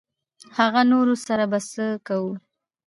هغه نورو سره به څه کوو.